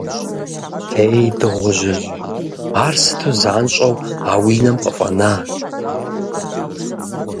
Ей, дыгъужьыжь, ар сыту занщӏэу а уи нам къыфӏэна?